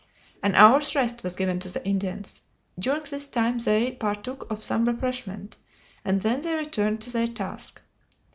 An hour's rest was given to the Indians. During this time they partook of some refreshment, and then they returned to their task.